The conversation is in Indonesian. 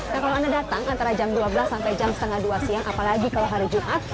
nah kalau anda datang antara jam dua belas sampai jam setengah dua siang apalagi kalau hari jumat